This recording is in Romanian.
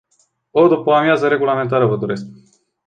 Aceștia sunt în număr destul de mare.